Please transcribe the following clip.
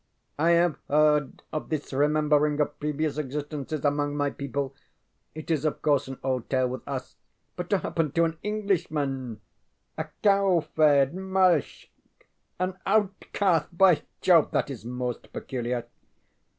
I have heard of this remembering of previous existences among my people. It is of course an old tale with us, but, to happen to an Englishman a cow fed Malechk an outcast. By Jove, that is most peculiar!